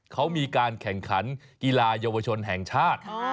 เขามีการแข่งขันกีฬาเยาวชนแห่งชาติ